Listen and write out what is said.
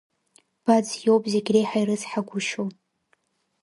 Баӡ иоуп зегь реиҳа ирыцҳагәышьоу.